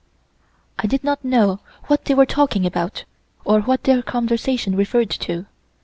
I did not know what they were talking about, or what their conversation referred to.